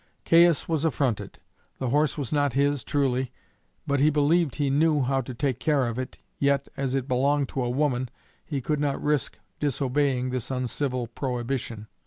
Caius was affronted. The horse was not his, truly, but he believed he knew how to take care of it, yet, as it belonged to a woman, he could not risk disobeying this uncivil prohibition.